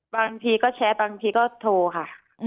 บางทีก็แชร์บางทีก็โทรค่ะ